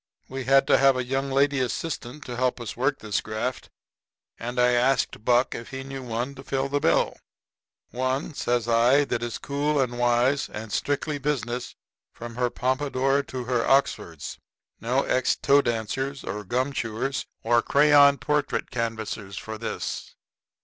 We had to have a young lady assistant to help us work this graft; and I asked Buck if he knew of one to fill the bill. "One," says I, "that is cool and wise and strictly business from her pompadour to her Oxfords. No ex toe dancers or gum chewers or crayon portrait canvassers for this."